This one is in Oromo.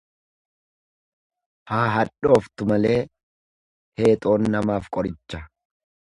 Haa hadhooftu malee, heexoon namaaf qoricha.